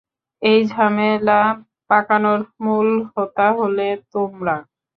এই ঝামেলা পাকানোর মূল হোতা হলে তোমরা।